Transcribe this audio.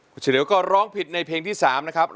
คุณเฉลี่ยวก็ร้องผิดในเพลงที่๓นะครับ